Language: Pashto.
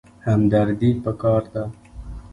همدردي پکار ده